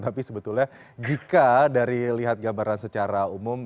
tapi sebetulnya jika dari lihat gambaran secara umum